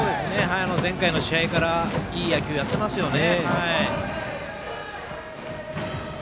前回の試合からいい野球やってますよね。